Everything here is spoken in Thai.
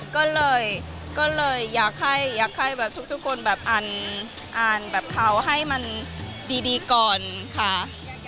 ก็เลยอยากให้ทุกคนอ่านเขาให้มันดีก่อนค่ะ